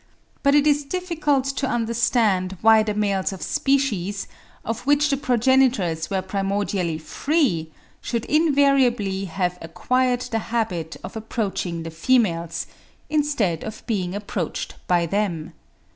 But it is difficult to understand why the males of species, of which the progenitors were primordially free, should invariably have acquired the habit of approaching the females, instead of being approached by them.